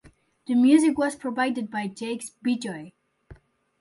The music was provided by Jakes Bejoy.